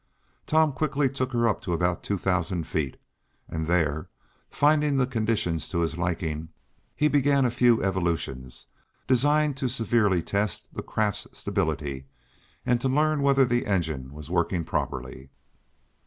Tom quickly took her up to about two thousand feet, and there, finding the conditions to his liking, he began a few evolutions designed to severely test the craft's stability, and to learn whether the engine was working properly.